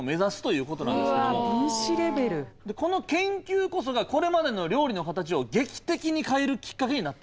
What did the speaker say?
この研究こそがこれまでの料理の形を劇的に変えるきっかけになったんです。